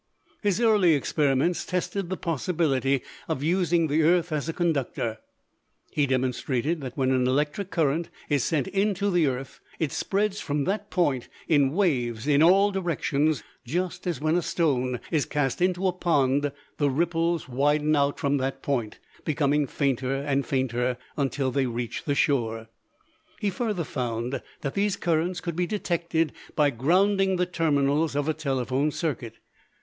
His early experiments tested the possibility of using the earth as a conductor. He demonstrated that when an electric current is sent into the earth it spreads from that point in waves in all directions, just as when a stone is cast into a pond the ripples widen out from that point, becoming fainter and fainter until they reach the shore. He further found that these currents could be detected by grounding the terminals of a telephone circuit.